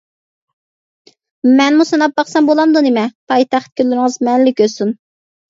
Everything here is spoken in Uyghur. مەنمۇ سىناپ باقسام بولامدۇ نېمە؟ پايتەخت كۈنلىرىڭىز مەنىلىك ئۆتسۇن.